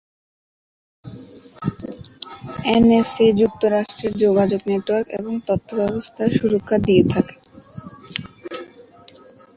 N S A যুক্তরাষ্ট্রের যোগাযোগ network এবং তথ্য ব্যবস্থার সুরক্ষা দিয়ে থাকে।